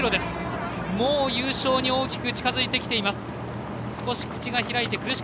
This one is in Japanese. もう優勝に大きく近づいてきています。